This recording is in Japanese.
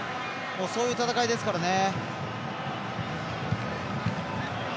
そういう戦いですからね。